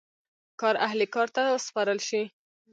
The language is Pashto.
کار اهل کار ته وسپارل شي.